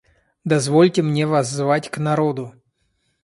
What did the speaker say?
Дозвольте мне воззвать к народу.